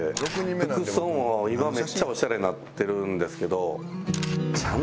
服装も今めっちゃオシャレなってるんですけど。